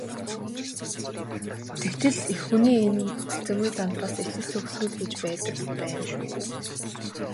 Тэгтэл эх хүний энэ хүлцэнгүй занд бас эцэс төгсгөл гэж байдаг байна шүү.